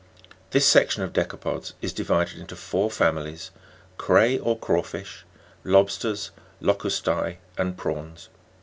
This section of decapods is divided into four families : Cray or craw fish, Lobsters, Locustse, and Prawns, 10.